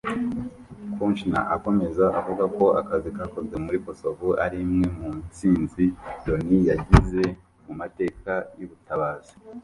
Kouchner akomeza avuga ko akazi kakozwe muri Kosovo ari imwe mu nsinzi Loni yagize mu mateka y’ubutabazi